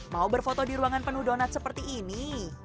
mau berfoto di ruangan penuh donat seperti ini